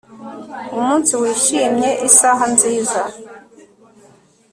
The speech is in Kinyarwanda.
Umunsi Wishimye Isaha Nziza